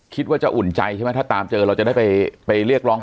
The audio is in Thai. คิดว่าจะอุ่นใจใช่ไหมถ้าตามเจอเราจะได้ไปเรียกร้อง